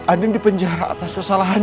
andi di penjara atas kesalahan